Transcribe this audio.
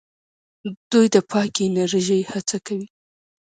دوی د پاکې انرژۍ هڅه کوي.